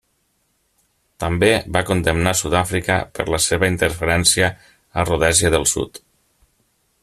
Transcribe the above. També va condemnar Sud-àfrica per la seva interferència a Rhodèsia del Sud.